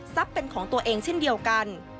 ทรัพย์เป็นของตัวเองซึ่งเดียวกัน